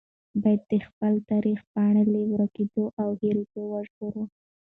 باید د خپل تاریخ پاڼې له ورکېدو او هېرېدو وژغورو.